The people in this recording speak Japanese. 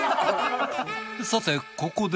さてここで。